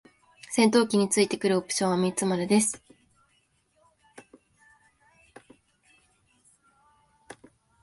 戦闘機に付いてくるオプションは三つまでです。